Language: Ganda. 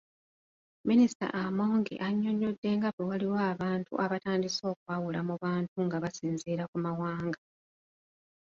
Minisita Amongi annyonnyodde nga bwewaliwo abantu abatandise okwawula mu bantu nga basinziira ku mawanga.